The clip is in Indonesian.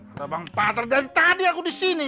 ada bang patra dari tadi aku di sini